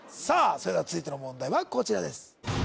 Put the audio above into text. それでは続いての問題はこちらです